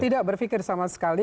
tidak berpikir sama sekali